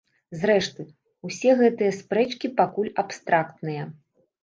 Зрэшты, усе гэтыя спрэчкі пакуль абстрактныя.